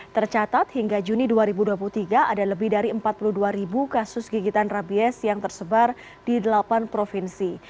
tercatat hingga juni dua ribu dua puluh tiga ada lebih dari empat puluh dua ribu kasus gigitan rabies yang tersebar di delapan provinsi